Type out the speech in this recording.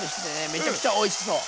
めちゃくちゃおいしそう。